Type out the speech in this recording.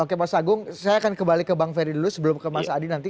oke mas agung saya akan kembali ke bang ferry dulu sebelum ke mas adi nanti